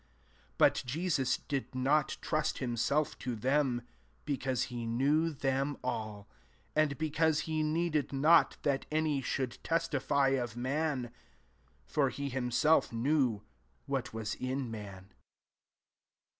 24 But Jesus did not trust himself to them, be cause he knew /^em all : 25 an(l because he needed not that any sliould testify of man: for he himself knew what was in man.